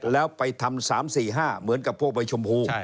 แล้วไปทำ๓๔๕เหมือนกับพวกใบชมพู